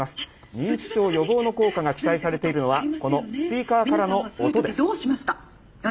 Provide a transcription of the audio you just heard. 認知症予防の効果が期待されているのはこのスピーカーからの音です。